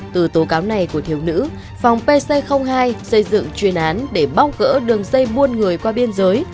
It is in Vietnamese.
từ tố cáo này của thiếu nữ phòng pc hai xây dựng chuyên án để bóc gỡ đường dây buôn người qua biên giới